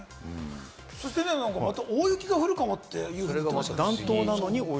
そして、また大雪が降るかもって言ってましたけれど。